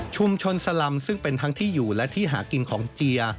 สลำซึ่งเป็นทั้งที่อยู่และที่หากินของเจีย